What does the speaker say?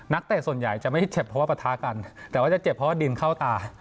เตะส่วนใหญ่จะไม่เจ็บเพราะว่าปะทะกันแต่ว่าจะเจ็บเพราะว่าดินเข้าตา